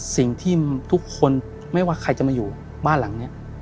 สิ่งที่ทุกคนไม่ว่าใครจะมาอยู่บ้านหลังนี้